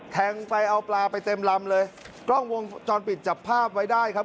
แทงไปเอาปลาไปเต็มลำเลยกล้องวงจรปิดจับภาพไว้ได้ครับ